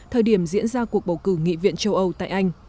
thời điểm diễn ra cuộc bầu cử nghị viện châu âu tại anh